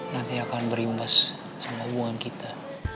nanti akan berimbas sama uang kita